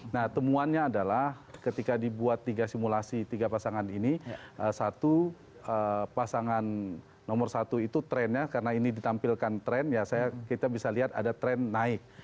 nah temuannya adalah ketika dibuat tiga simulasi tiga pasangan ini satu pasangan nomor satu itu trennya karena ini ditampilkan tren ya kita bisa lihat ada tren naik